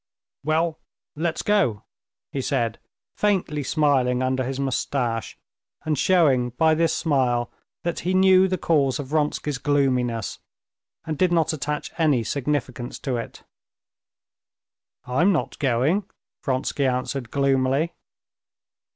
"Well, let's go," he said, faintly smiling under his mustache, and showing by this smile that he knew the cause of Vronsky's gloominess, and did not attach any significance to it. "I'm not going," Vronsky answered gloomily.